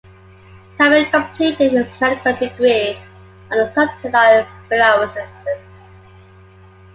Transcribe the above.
Calmette completed his medical degree on the subject of filariasis.